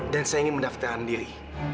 dan saya ingin mendaftarkan diri